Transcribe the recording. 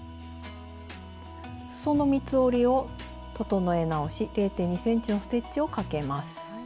すその三つ折りを整え直し０．２ｃｍのステッチをかけます。